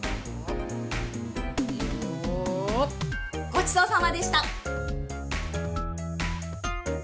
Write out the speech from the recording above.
「ごちそうさまでした」。